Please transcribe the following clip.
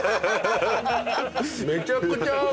めちゃくちゃ合う。